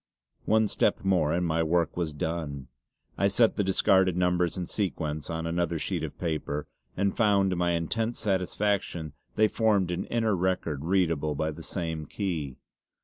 One step more and my work was done. I set the discarded numbers in sequence on another sheet of paper, and found to my intense satisfaction they formed an inner record readable by the same key.